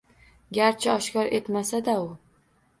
Garchi oshkor etmasa-da u.